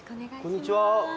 こんにちは。